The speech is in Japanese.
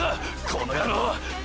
この野郎！